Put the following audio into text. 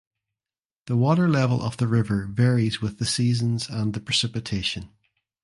The water level of the river varies with the seasons and the precipitation.